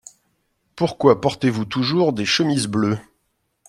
Pourquoi portez-vous toujours des chemises bleues ?